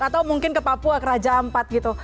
atau mungkin ke papua ke raja ampat gitu